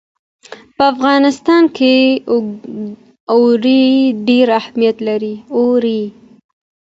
په افغانستان کې اوړي ډېر اهمیت لري.